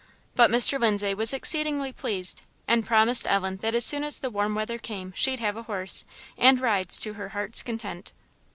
But Mr. Lindsay was exceedingly pleased, and promised Ellen that as soon as the warm weather came she'd have a horse, and rides to her heart's content.